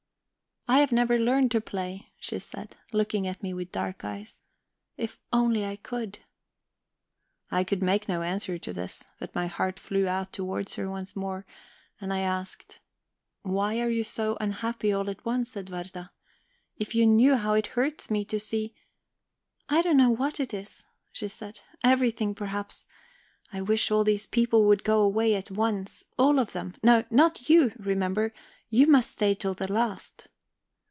"I have never learned to play," she said, looking at me with dark eyes. "If I only could!" I could make no answer to this. But my heart flew out towards her once more, and I asked: "Why are you so unhappy all at once, Edwarda? If you knew how it hurts me to see " "I don't know what it is," she said. "Everything, perhaps. I wish all these people would go away at once, all of them. No, not you remember, you must stay till the last."